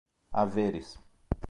haveres